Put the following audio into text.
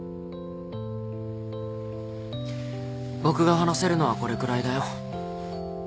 僕が話せるのはこれくらいだよ。